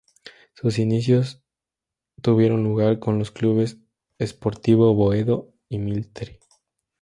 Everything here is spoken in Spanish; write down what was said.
Sus inicios tuvieron lugar con los clubes Sportivo Boedo y Mitre.